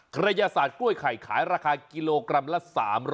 กระยาศาสตร์กล้วยไข่ขายราคากิโลกรัมละ๓๐๐